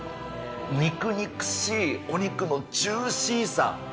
肉肉しいお肉のジューシーさ、